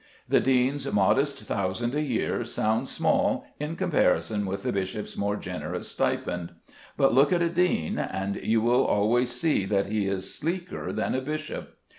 The dean's modest thousand a year sounds small in comparison with the bishop's more generous stipend: but look at a dean, and you will always see that he is sleeker than a bishop.